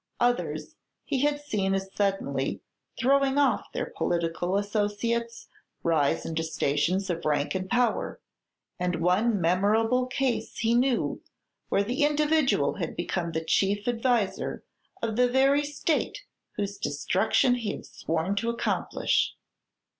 Others he had seen as suddenly, throwing off their political associates, rise into stations of rank and power; and one memorable case he knew where the individual had become the chief adviser of the very state whose destruction he had sworn to accomplish.